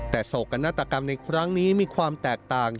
แต่โศกนาฏกรรมในครั้งนี้มีความแตกต่าง